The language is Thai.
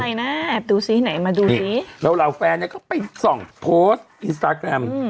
แป๊บดูสิไหนมาดูสินี่แล้วเราแฟนเนี้ยก็ไปส่องอินสตาร์แรม